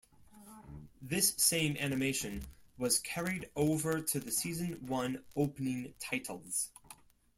This same animation was carried over to the season one opening titles.